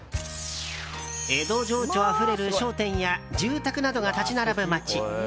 江戸情緒あふれる商店や住宅などが立ち並ぶ街。